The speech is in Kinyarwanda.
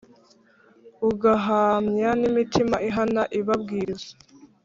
ugahamywa n’imitima ihana ibabwiriza